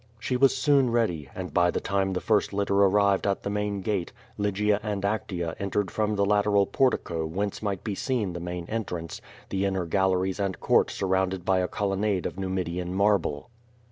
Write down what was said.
She was soon ready, and by the time the first litter arrived at the main gate, Lygia and Actea entered from tlie lateral portico whence might be seen the main entrance, the inner galleries and court surrounded by a colonnade of Numidian marble.